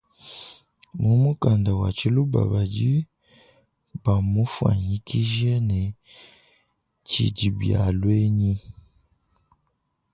Mu mukanda wa tshiluba badi bamufuanyikishe ne tshidibialuenyi.